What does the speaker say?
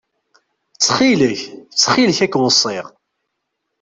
Ttxil-k, ttxil-k ad k-weṣṣiɣ.